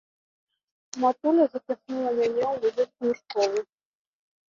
Матуля запіхнула мяне ў музычную школу.